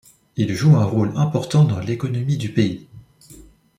Il joue un rôle important dans l'économie du pays.